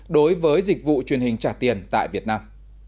đối với dịch vụ truyền hình trả tiền tại việt nam